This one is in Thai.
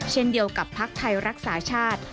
เช่นเดียวกับภักดิ์ไทยรักษาชาติ